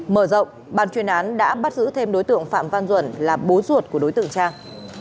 mở rộng ban chuyên án đã bắt giữ thêm đối tượng phạm văn duẩn là bố ruột của đối tượng trang